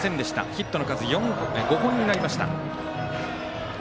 ヒットの数、５本になりました。